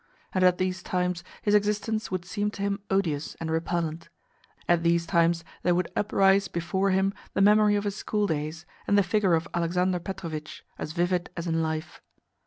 And at these times his existence would seem to him odious and repellent; at these times there would uprise before him the memory of his school days, and the figure of Alexander Petrovitch, as vivid as in life.